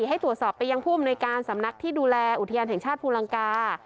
ให้ตรวจสอบไปยังผู้อำนวยการสำนักที่ดูแลอุทยานแห่งชาติภูลังกา